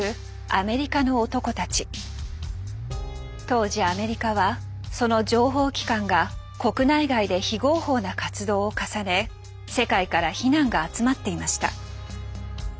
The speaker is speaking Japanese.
当時アメリカはその情報機関が国内外で非合法な活動を重ね世界から非難が集まっていました。